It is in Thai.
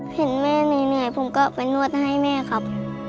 เห็นแม่เหนื่อยผมก็ไปนวดให้แม่ครับ